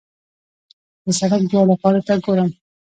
د سړک دواړو غاړو ته ګورم.